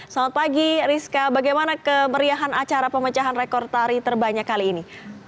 selamat pagi rizka bagaimana kemeriahan acara pemecahan rekor tari terbanyak kali ini